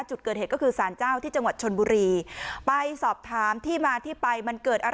จุดเกิดเหตุก็คือสารเจ้าที่จังหวัดชนบุรีไปสอบถามที่มาที่ไปมันเกิดอะไร